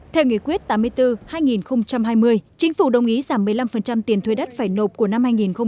theo nghị quyết tám mươi bốn hai nghìn hai mươi chính phủ đồng ý giảm một mươi năm tiền thuê đất phải nộp của năm hai nghìn hai mươi